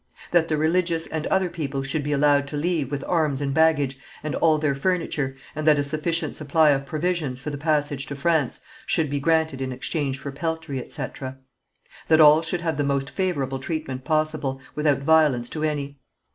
"That the religious and other people should be allowed to leave with arms and baggage, and all their furniture, and that a sufficient supply of provisions for the passage to France should be granted in exchange for peltry, etc. "That all should have the most favourable treatment possible, without violence to any.